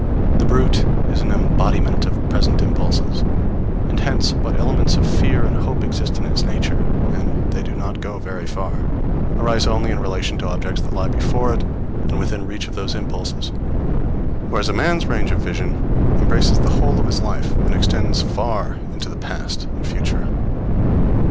The brute is an embodiment of present impulses, and hence what elements of fear and hope exist in its nature and they do not go very far arise only in relation to objects that lie before it and within reach of those impulses: whereas a man's range of vision embraces the whole of his life, and extends far into the past and future.